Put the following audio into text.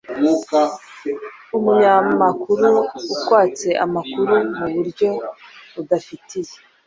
Umunyamakuru akwatse amakuru mu buryo udafitiye